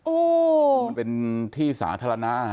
โอ้โฮเป็นที่สาธารณะ